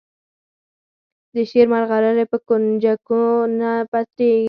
د شعر مرغلرې په کونجکو نه پلوري.